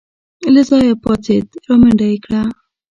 له ځايه پاڅېد رامنډه يې کړه.